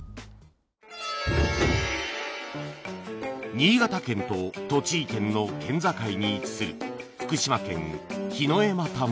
新潟県と栃木県の県境に位置する福島県檜枝岐村